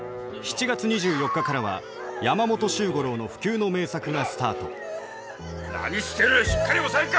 ７月２４日からは山本周五郎の不朽の名作がスタート何してる！